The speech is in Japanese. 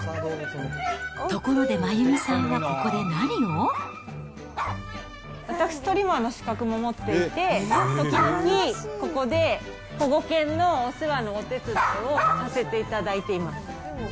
ところで、私、トリマーの資格も持っていて、時々ここで保護犬のお世話のお手伝いをさせていただいています。